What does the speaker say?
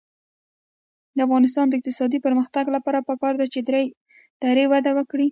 د افغانستان د اقتصادي پرمختګ لپاره پکار ده چې دري وده وکړي.